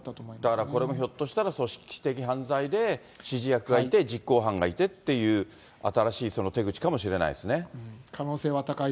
だからこれも、ひょっとしたら組織的な犯罪で、指示役がいて、実行犯がいてっていう、新しい手口かもしれないですね。